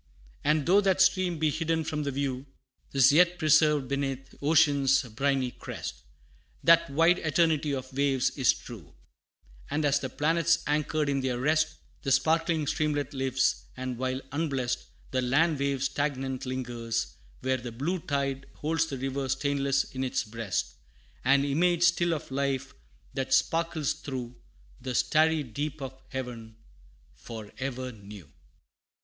And though that stream be hidden from the view, 'Tis yet preserved 'neath ocean's briny crest: That wide eternity of waves is true And as the planets anchored in their rest, The sparkling streamlet lives; and while unblest, The land wave stagnant lingers there the blue Tide holds the river stainless in its breast An image still of life, that sparkles through The starry deep of heaven, for ever new.